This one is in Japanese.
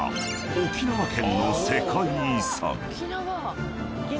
［沖縄県の世界遺産］